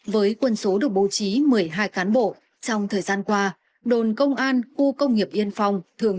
với quân số được bố trí một mươi hai cán bộ trong thời gian qua đồn công an khu công nghiệp yên phong thường